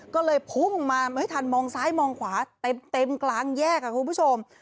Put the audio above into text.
ก็เลยพุ่งมาไม่ทันมองซ้ายมองขวาเต็มกลางแยกค่ะคุณผู้ชม